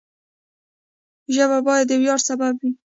ژبه باید د ویاړ سبب وي.